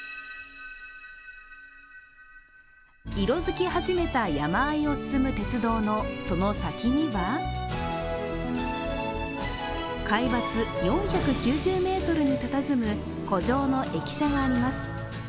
色づき始めた山あいを進む鉄道のその咲には海抜４９０ｍにたたずむ湖上の駅舎があります。